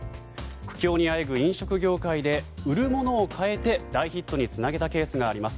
苦境にあえぐ飲食業界で売るものを変えて大ヒットにつなげたケースがあります。